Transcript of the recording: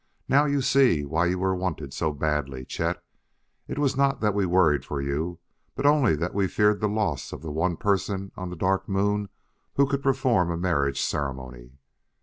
Now you see why you were wanted so badly, Chet; it was not that we worried for you, but only that we feared the loss of the one person on the Dark Moon who could perform a marriage ceremony."